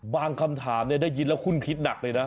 คำถามได้ยินแล้วคุณคิดหนักเลยนะ